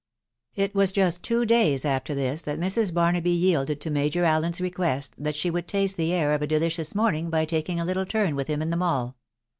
It was just two days after this that Mrs. Barnaby yielded to Major Allen's request that she would taste the air of a de licious morning by taking a little turn with him in the Mall.